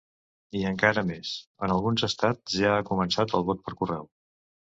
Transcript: I encara més: en alguns estats ja ha començat el vot per correu.